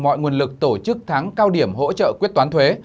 mọi nguồn lực tổ chức tháng cao điểm hỗ trợ quyết toán thuế